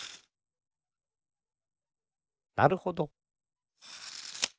なるほど。